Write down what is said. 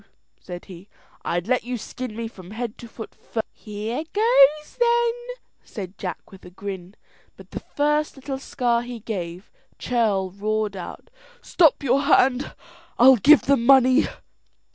said he, "I'd let you skin me from head to foot first." "Here goes then," said Jack with a grin, but the first little scar he gave, Churl roared out, "Stop your hand; I'll give the money."